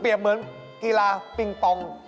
เปรียบเหมือนกีฬาปิงปอง